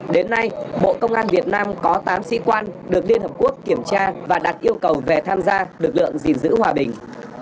đến nay bộ công an việt nam có tám sĩ quan được liên hợp quốc kiểm tra và đặt yêu cầu về tham gia lực lượng gìn giữ hòa bình